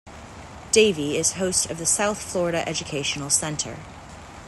Davie is host of the South Florida Educational Center.